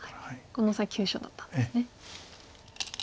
このオサエ急所だったんですね。